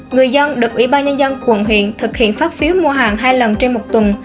người dân được ủy ban nhân dân quận huyện thực hiện phát phiếu mua hàng hai lần trên một tuần